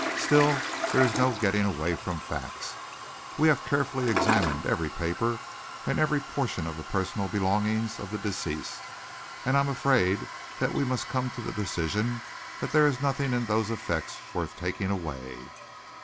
Still, there is no getting away from facts. We have carefully examined every paper and every portion of the personal belongings of the deceased, and I am afraid we must come to the decision that there is nothing in those effects worth taking away."